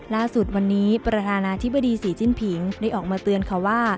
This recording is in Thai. ล่าสุดวันนี้ประธานาธิบดีศรีจิ้นผิงได้ออกมาเตือนค่ะว่า